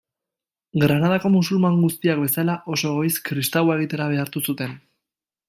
Granadako musulman guztiak bezala, oso goiz, kristaua egitera behartu zuten.